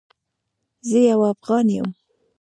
زه یو افغان یم